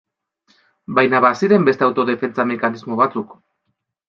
Baina baziren beste autodefentsa mekanismo batzuk.